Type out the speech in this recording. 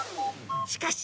しかーし！